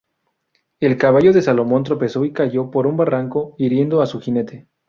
El caballo de Salomón tropezó y cayó por un barranco, hiriendo a su jinete.